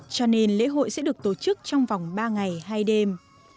cho nên lễ hội sẽ được tổ chức trong vòng ba ngày hay đêm